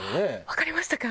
わかりましたか？